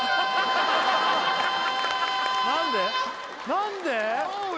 何で？